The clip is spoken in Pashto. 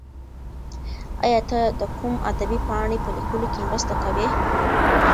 ایا ته د کوم ادبي پاڼې په لیکلو کې مرسته کوې؟